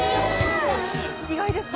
意外ですか？